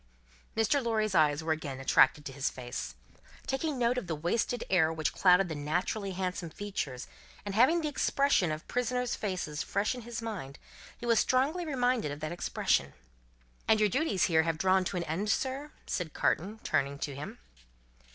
Mr. Lorry's eyes were again attracted to his face. Taking note of the wasted air which clouded the naturally handsome features, and having the expression of prisoners' faces fresh in his mind, he was strongly reminded of that expression. "And your duties here have drawn to an end, sir?" said Carton, turning to him.